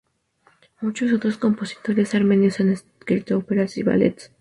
Muchos otros compositores armenios han escrito óperas y ballets.